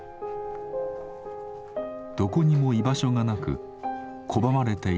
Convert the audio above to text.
どこにも居場所がなく拒まれていた記憶。